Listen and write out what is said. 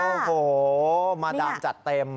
โอ้โหมาดามจัดเต็ม